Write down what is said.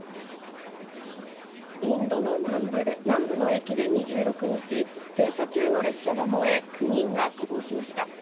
インドの南部の駅で２６日、停車中の列車が燃え、９人が死亡しました。